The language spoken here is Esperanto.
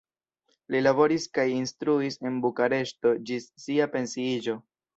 Li laboris kaj instruis en Bukareŝto ĝis sia pensiiĝo.